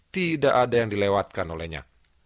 tidak ada yang dilewatkan olehnya